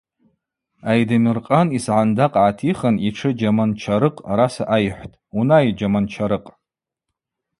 Айдамыр-къан йсагӏындакъ гӏатихын йтшы Джьаман-чарыкъ араса айхӏвтӏ: Унай, Джьаман-чарыкъ.